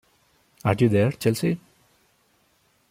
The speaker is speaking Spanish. Are You There, Chelsea?